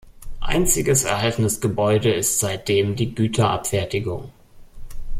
Einziges erhaltenes Gebäude ist seitdem die Güterabfertigung.